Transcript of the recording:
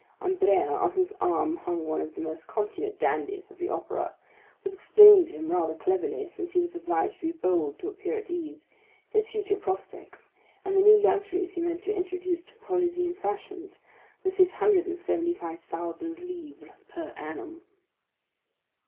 Andrea, on whose arm hung one of the most consummate dandies of the Opera, was explaining to him rather cleverly, since he was obliged to be bold to appear at ease, his future projects, and the new luxuries he meant to introduce to Parisian fashions with his hundred and seventy five thousand livres per annum.